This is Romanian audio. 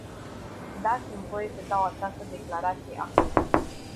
Dați-mi voie să dau această declarație acum.